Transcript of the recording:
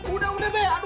udah udah udah